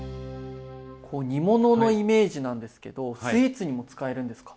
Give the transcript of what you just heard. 煮物のイメージなんですけどスイーツにも使えるんですか？